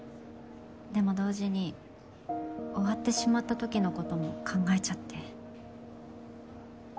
でも同時に終わってしまったときのことも考えちゃって。